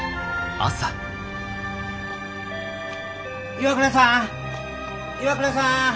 岩倉さん岩倉さん